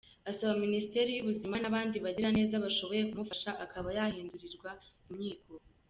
Asaba minisiteri y’Ubuzima n’abandi bagira neza bashoboye kumufasha akaba yahindurirwa imyiko.